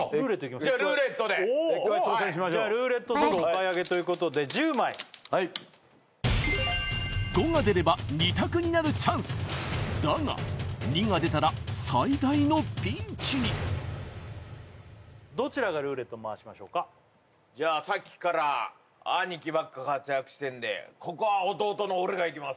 じゃあルーレットでじゃあルーレットソードお買い上げということで１０枚はい５が出れば２択になるチャンスだが２が出たら最大のピンチにどちらがルーレット回しましょうかじゃあさっきから兄貴ばっか活躍してるんでここは弟の俺がいきます